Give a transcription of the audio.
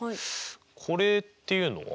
これっていうのは？